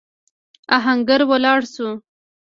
آهنګر ولاړ شو.